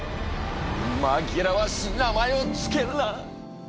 紛らわしい名前を付けるな！